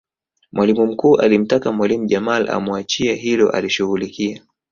Mwalimu mkuu alimtaka mwalimu Jamal amuachie hilo alishughulikie